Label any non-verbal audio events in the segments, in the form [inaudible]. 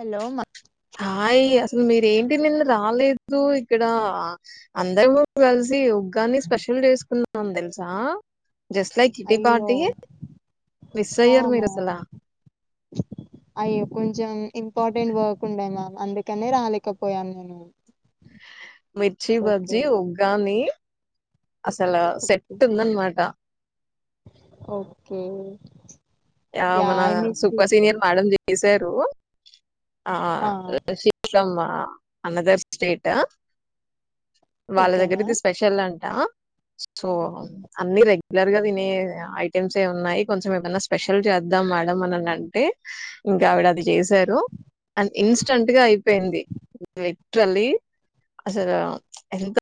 Hello మా హా ఏ ఇలు మీరేంటి నిన్ను రాలేదు ఇక్కడ అందర కలిసి కాగానీ స్పెషల్ చేసుకున్నా ఉన్ తెలుసా జస్ట్ లైక్ కిట్టి అయ్యో పార్టీ హా మిస్సయ్యర్ మీరు మ్యామ్ అసలా అయ్యో కొంచెం ఇంపార్టెంట్ వర్క్ ఉండేనా అందుకనే రాలేకపోయాను నేను మిర్చి ఓకే బజ్జి ఉగ్గానీ అసలు సెట్ ఉందనమాట ఓకే యా మన I miss super it senior madam the ఇసేరు ఆ శీతమ్మా అనదర్ స్టేటా వాళ్ళ ఓకే దగ్గరది మ్యామ్ స్పెషల్ అంటా సో అన్ని రెగ్యులర్గా తినే ఐటెమ్సే ఉన్నాయి కొంచెం ఏమన్నా స్పెషల్ చేద్దాం మేడం అని అంటే ఇంకా ఆవిడ అది చేసారు అ ఇన్స్టంట్గా అయిపోయింది లిటిరల్లీ అసలు ఎంత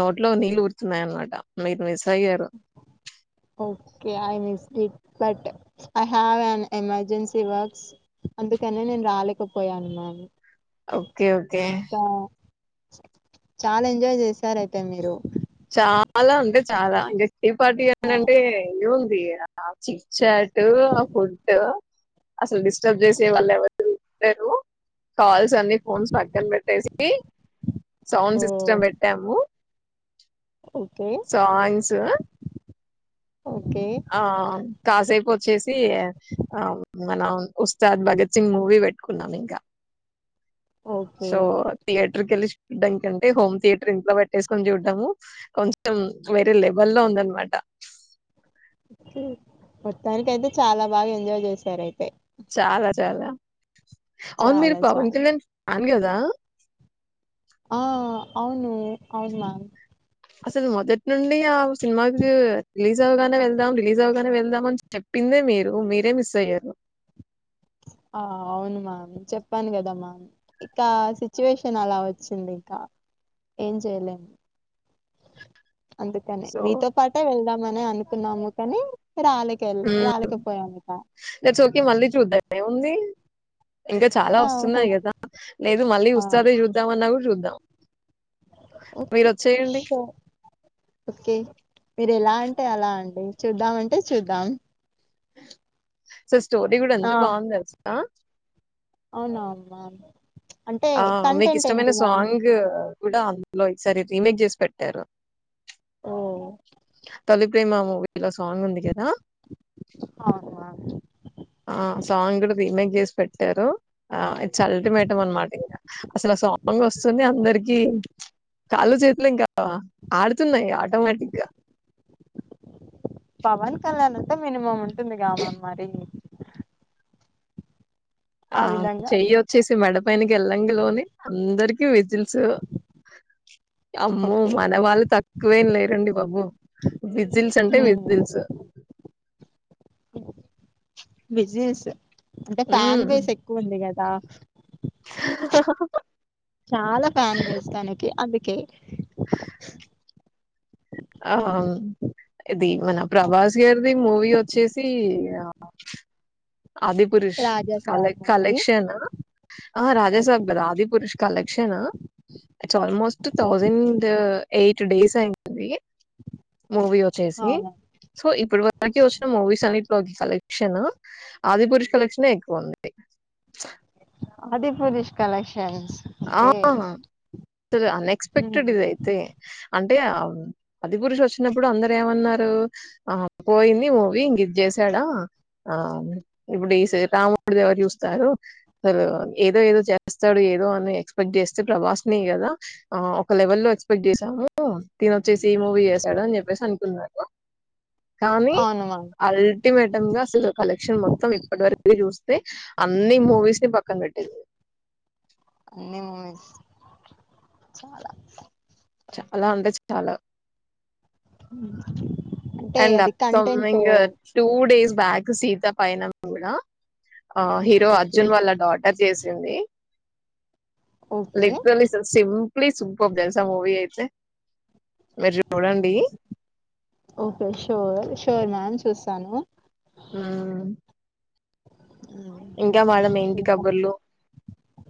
నోట్లో నీళ్ళు ఉరుతున్నాయి అనమాట మీరు మిస్ అయ్యారు okay I miss it but I have an emergency works అందుకనే నేను రాలేకపోయాను మ్యామ్ ఓకే ఓకే ఇంకా చాలా ఎంజాయ్ చేశారయితే మీరు చాలా అంటే ఏ పార్టీ ఆ, అంటే ఇవ్ ది ఆ చిక్ చాట్ ఆ ఫుడ్ అసలు చేసే వాళ్ళు ఎవరు దరు కాల్స్ అన్ని ఫోన్స్ పక్కన పెట్టేసి సౌండ్ ఓ సిస్టమ్ పెట్టాము ఓకే సాంగ్స్ ఓకే ఆ కాసేపు వచ్చేసి ఆ మనం ఉస్తాద్ భగత్ సింగ్ మూవీ పెట్టుకున్నాం ఇంకా ఓకే సో థియేటర్ కెళ్ళి దానికంటే హోమ్ థియేటర్ ఇంట్లో పెట్టేసుకొని చూడ్డము కొంచెం వేరే లెవెల్ లో ఉందనమాట మొత్తానికి అయితే చాలా బాగా ఎంజాయ్ చేశారయితే చాలా చాలా అవును మీరు చాలా చాలా పవన్ కళ్యాణ్ అన్ గదా ఆ అవును అవును మామ్ అసలు మొదటి నుండి ఆ సినిమాకి రిలీస్ లీజ అవగానే వెళ్దాం రిలీజ్ అవగానే వెళ్దాం అని చెప్పిందే మీరు మీరే మిస్ అయ్యారు ఆ అవును మా చెప్పాను కదా మా ఇంకా సిచ్యువేషన్ అలా వచ్చింది ఇంకా ఏం చేయలేము అందుకని సో మీతో పాటే వెళ్దామని అనుకున్నాము కానీ రాలేక హ్మ్ రాలేకపోయాము ఇక ఈ చోకి మళ్ళీ చూద్దాం ఏముంది ఇంకా చాలా ఆ వస్తున్నాయి హో- కదా లేదు మళ్ళీ ఉస్తాదే చూద్దామని అన్న కూడ చూ నో ఒకే షో ఓకే మీరు ఎలా అంటే అలా అండి చూద్దామంటే చూద్దాం సో స్టోరీ కూడా ఆ ఎంత బాగుంది తెలుస్ ఆ అవునా అమ్మా ఆ మీకు ఇష్టమైన సాంగ్ కూడా అందులో ఈసారి రీమేక్ చేసి పెట్టారు ఓ తొల్లిప్రేమ మూవీ ఇలా సాంగ్ ఉంది కదా అవును మ్యామ్ ఆ సాంగ్ కూడా రీమేక్ చేసి పెట్టారు ఆ చల్టిమేట్ అన్నమాట్ అసలు ఆ సాంగ్ వస్తుంది అందరికి కాళ్ళు చేతులు ఇంకా ఆడుతున్నాయి ఆటోమేటిక్గా పవన్ కళ్యాణ అంటే మినిమమ్ ఉంటుంది గ మరీ మా టెక్నిక్ ఆ చెయ్యి వచ్చేసి మెడ పైనకి వెళ్ళంగ లోనే అందరికి విజిల్స్ అమ్మో ఓకే మన వాళ్ళు తక్కువేం లేరండి బాబు విజిల్స్ అంటే హ్మ్ విజిల్స్ బిజినెస్ అంటే ఫ్యాన్ హ్మ్ బేస్ ఎక్కువ ఉంది కదా చాలా ఫ్యాన్ బేస్ దానకి అది ఒకే ఆహ ఇది మన ప్రభాస్ గారిది మూవీ వచ్చేసి ఆది పపురుష రాజా కలె సాబ్ మూవీ కలెక్షన్ ఆ రాజాసబ్ గదా ఆది పురుష్ కలెక్షన్ ఆ it's almost thousand eight days అయింటుంది మూవీ వచ్చేసి అవును సోఇప్ప ఇప్పుడు వరకిచ్చిన మూవీస్ అన్నిట్లో కలెక్షన్ ఆది పురుష్ కలెక్షన్ ఏ ఎక్కువ ఉంది ఆదిపురుష్ కాల ఆ హ్మ్. అన్ఎక్స్పెక్టెడ్ ఇదయితే అ అంటే ఆది పురుషు వచ్చినప్పుడు అందర ఏమన్నారు ఆ పోయింది మూవీ ఇం ఇది చేసాడా ఆ ఇప్పుడు ఈ రాముడి ద ఎవరు చూస్తారు అసలు ఏదో ఏదో చేస్తాడు ఏదో ఎక్స్పెక్ట్ చేస్తే ప్రభాస్ ని కదా ఒక లెవెల్ లో ఎక్స్పెక్ట్ చేసాము దీని వచ్చేసి ఈ మూవీ చేసాడు అని చెప్పేసి అనుకున్నా కానీ అవును మ్యామ్ అల్టిమేటమ్ గా అసలు కలెక్షన్ మొత్తం ఇప్పటి వరకి అన్ని మూవీస్ ని పక్కన పెట్టింది. మ్ చాలా చాలా అంటే చాలా అంటే అండ్ అది up content coming two days back Sita పైన కూడా ఆ హీరో ఓకే అర్జున్ వాళ్ళ డాటర్ చేసింది okay literally sir same simply superb తెలుసా మూవీ అయితే మీరు హ్మ్. చూడండి ఓకే షూర్ షూర్ మ్యామ్ చూస్తాను ఉమ్ ఏంటి ఇంకా కబుర్లు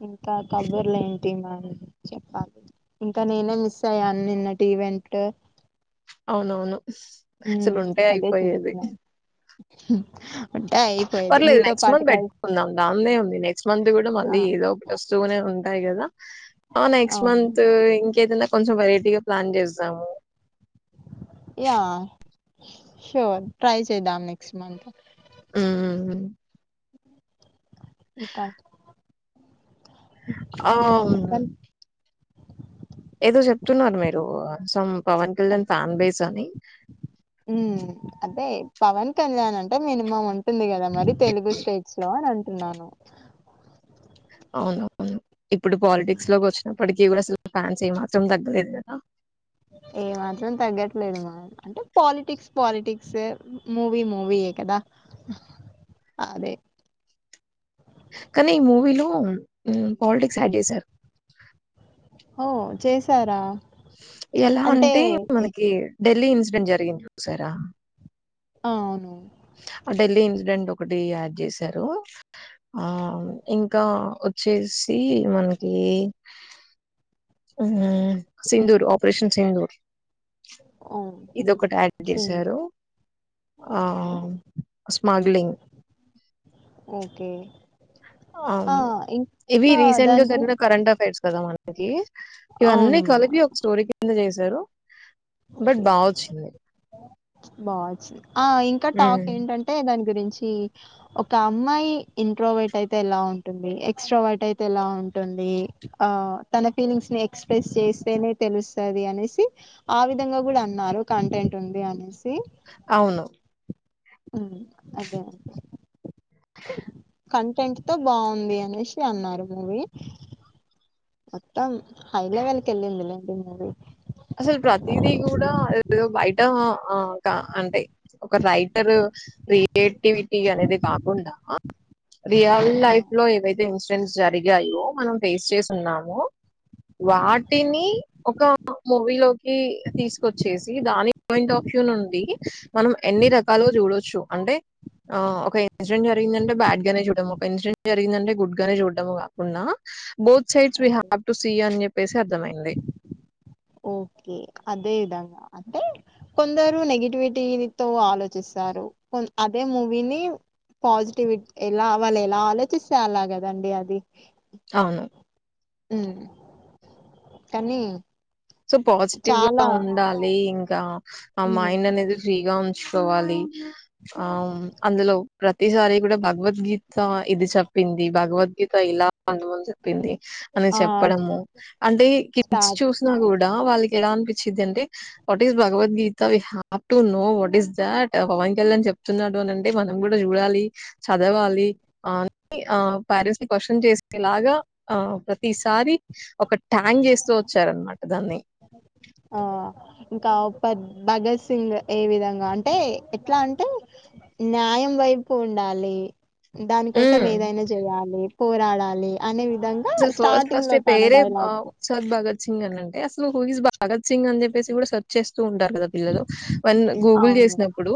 ఇంకా కబ్బర్లే ఏంటి చెప్పాలి ఇంకా నేనే మిస్ అయ్యాను నిన్నటి ఈవెంట్ అవునవును అసలు హ్మ్. ఉంటే అదే అయిపోయేది చూస్తున్నాను ఉంటే అయిపోయేది పర్లేదు మీతో నెక్స్ట్ పాటు మంత్ కల్ పెట్టుకుందాం దాన్దేముంది నెక్స్ట్ మంత్ కూడా ఆ మళ్ళీ ఏదో ఒక్కటి వస్తూనే ఉంది టాయ్ కదా ఆ నెక్స్ట్ అవును మంత్ ఇంకేద కొంచెం వెరైటీగా ప్లాన్ చేస్తు ఆ యా షోర్ ట్రై చేద్దాం నెక్స్ట్ మంత్ ఆ ఇకా అవును ఏదో చెప్తున్నారు మీరు some Pawan Kalyan fan base అని హ్మ్ అదే పవన్ కళ్యాణ్ అంటే మినిమం ఉ ంది కదా మరి తెలుగు స్టేట్స్ లో అని నను అవునవును ఇప్పుడు పాలిటిక్స్ లోకి వచ్చినాం ఇప్పటికీ కూడా అసలు ప్లాన్స్ ఏమాత్రం తగ్గలేదు కదా ఏ మాత్రం తగ్గట్లేదు మం అంటే పాలిటిక్స్ పాలిటిక్సే మూవీ మూవీయే కదా అదే కానీ ఈ మూవీలో హ్మ్ పాలిటిక్స్ యాడ్ చేసారు ఓ చేసారా ఎలా అంటే మనకి ఢిల్లీ ఇన్సిడెంట్ జరిగింది చూసారా అ అవును ఆ ఢిల్లీ ఇన్సిడెంట్ ఒకటి యాడ్ చేశారు ఆ ఇంకా వచ్చేసి మనకి హ్మ్ సిందూర్ ఆపరేషన్ సిందూర్ ఓ ఇదిఒకటి యాడ్ సింగ్ చేసారు ఆ ఓకే స్మగ్లింగ్ ఓకే ఆ ఇవి ఇంకా రిసెంట్గా దాని చదివిన గురించి కరంట్ అఫెర్స్ కద మనకీ ఇవి అన్నీ అవును కలిపి ఒక స్టోరికి ఎంత చేశారు బట్ ఓకే బా వచ్చింది బా వచ్చి ఆ ఇంకా టాక్ హ్మ్ ఏంటంటే దానికి గురించి ఒక అమ్మాయి ఇంట్రోవర్ట్ అయితే ఎలా ఉంటుంది ఎక్స్ట్రోవర్ట్ అయితే ఎలా ఉంటుంది ఆ తన ఫీలింగ్స్ ని ఎక్స్ప్రెస్ చేస్తేనే తెలుస్తాది అనేసి ఆ విధంగా కూడా అన్నారు కంటెంట్ ఉంది అని సి అవును అదే అండి కంటెంట్ తో బావుంది అనేసి అన్నారు మూవీ మొత్తం హై లెవెల్ కెళ్లిందిలే అసలు ప్రతిదీ కూడా ఏదో బయట ఒకా అంటే ఒక రైటర్ [unintelligible] ఆక్టివిటీ అనేది కాకుండా రియల్ ఆ లైఫ్ లో ఏవైతే ఉస్ జన్స్ జరిగాయో మనం ఫేస్ చేసి ఉన్నాము వాటిని ఒక మూవీలోకి తీసుకొచ్చేసి దాని పాయింట్ ఆఫ్ వ్యూ నుండి మనం ఎన్ని రకాలుగా చూడొచ్చు అంటే ఆ ఒక ఇన్సిడెంట్ జరిగిందంటే బ్యాడ్ గానే చూడము ఒక ఇన్సిడెంట్ జరిగిందంటే గుడ్ గానే చూడ్డము కాకుండా both sides we okay have up to see అని చెప్పి వేసి అర్థమైంది ఓకే అదే విధంగా అంటే కొందరు నెగిటివిటీ తో ఆలోచిస్తారు కొం అదే మూవీని పాజిటివి ఎలా వాళ్ళు ఎలా ఆలోచిస్తే అలాగదండి అది అవును హ్మ్ కనీ సో పాజిటివ్ గా ఉండాలి ఇం కా ఆ మైండ్ ఉమ్ అనేది అనేది ఫ్రీగా ఉం చ్ కోవాలి ఆ అందులో ప్రతిసారి కూడా భగవద్గీత ఇది చెప్పింది భగవద్గీత ఇలా అందుముందు చెప్పింది అని ఆ చెప్పడము అంటే కిడ్స్ స్టార్ట్ చూస్ కూడా వాళ్ళకి ఎలా అనిపించిది అంటడి what is Bhagavad Gita we have to know what is that Pawan Kalyan చెప్తున్నాడు అనింటే మనం కూడా చూడాలి చదవాలి అని ఆ పేరెంట్స్ ని క్వశ్చన్ చేసేలాగా ఆ ప్రతిసారి ఒక ట్యాంగ్ చేస్తూ వచ్చారనమాట దాన్ని ఆ ఇంకా పద్ భగత్ సింగ్ ఏ విధంగా అంటే ఎట్లా అంటే న్యాయం వైపు ఉండాలి దానికోసం హ్మ్. ఏదైనా చేయాలి పోరాడాలి అనే వి ఫస్ట్ ఫస్ట్ పెరే ఉత్సాహ భగద్ సింగ్ అని అంటే అసలు హు ఇజ్ భగత్ సింగ్ అని చెప్పేసి కూడా సెర్చ్ చేస్తూ ఉంటారు గా పిల్లలు వన్ గూగుల్ అవును చేసినప్పుడు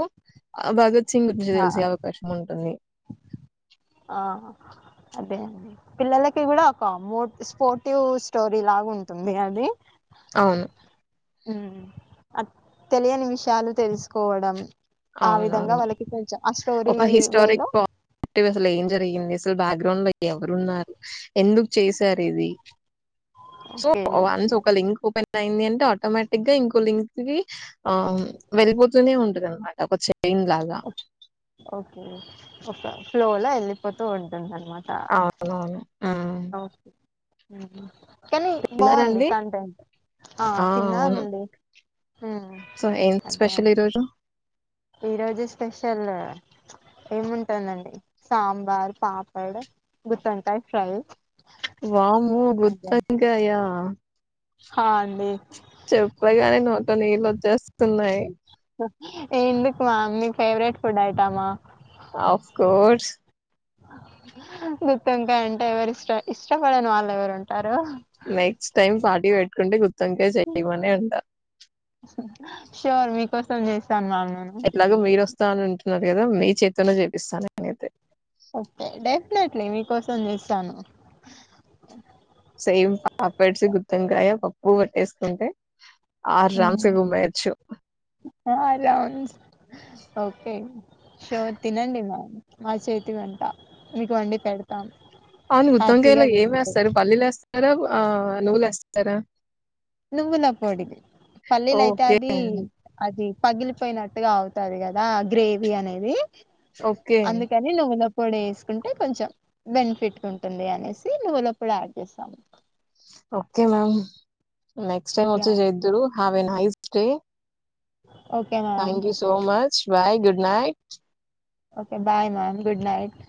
ఆ భగత్ సింగ్ గురించి ఆ తెలిసే అవకాశం ఉంటుంది ఆ అదే అండి పిల్లలకి కూడా ఒక మో స్పోర్టివ్ స్టోరీ లాగా ఉంటుంది అని అవును హ్మ్ అ తెలియని విషయాలు తెలుసుకోవడం ఆ విధంగా అవునువును వాళ్ళకి కొంచెం ఆ స్టోరీ ఒక హిస్టారిక్ వేలో [unintelligible] అసలు ఏం జర్ [unintelligible] బ్యాక్గ్రౌండ్ లో ఎవరున్నారు ఎందుకు చేసారు ఇది సో ఓకే వన్స్ ఒక లింక్ ఓపెన్ అయింది అంటే ఆటోమేటిక్ గా ఇంకో లింక్ కి ఆ వెళ్ళిపోతూనే ఉంటది అనమా టకొచ్చే ఎమ్ లాగా ఓ ఓ ఫ్లోల్ ఎల్లిపోతు ఉం [unintelligible] అవును హ్మ్ ఓకే హ్మ్ హు కానీ తిన్నారా బాగుంది అండి? కంటెంట్ ఆ తిన్నామండి సో ఏం స్పెషల్ ఈరోజు ఈ రోజు స్పెషల్ ఏముంటుందండి సాంబార్ పాపడ్ గుత్తోంకాయ ఫ్రై వామ్మో అదే గుత్తొంకాయ హా అండి చెప్పగానే నోట్లో నీళ్ళు వచ్చేస్ తున్నాయ్ ఎందుకు మేమ్ మీ ఫేవరెట్ ఫుడ్ ఐటమా అఫ్ కోర్స్ గుత్తొంకాయ్ అంటే ఎవరిష్ట ఇష్టపడని వాళ్ళు ఎవరు ఉంటారు నెక్స్ట్ టైమ్ పార్టీ పెట్టుకుంటే గుత్ తంటే చేయమనే అంట ప్చ్ షోర్ మీకోసం చేస్ ఎట్లాగో మీరే వస్తానన్ న్నారు కదా మీ చేత్తోనే చేపిస్తాను నేను అయితే ఓకేే డై అట్లట్లే మీకోసం చేస్తాను. సేమ్ పాపెడ్స్ గుత్తవంకాయ పప్పు వట్టేసుకుంటే ఆ రామ్సు మ్మ్. గుమ్మెయచ్చు హ్ ఆ, రౌండ్స్ ఓకే షోర్ తినండి, మామ్ మా చేతి వంట మీకు వండి పెడతాం. అవును ఉద్ధం హ్యాపీగా కాయలో ఏం తినండి వేస్తారు పల్లీలు వేస్త్ తారా ఆ నువ్వులు వేస్తారా నువ్వుల పొడిది పల్లీల్ అయితే ఓకే అది అది పగిలిపోయినట్టుగా అవుతది కదా గ్రేవీ అనేది ఓకే అందుకని నువ్వుల ప్ పొడి వేసుకుంటే కొంచెం బెనిఫిట్గా ఉంటుంది. అనేసి నువ్వుల పొడి యాడ్ చేస్తాము. Okay ma'am next time yeah వచ్చి చేద్దురు have a nice stay okay ma'am thank you so much bye good night okay bye ma'am good night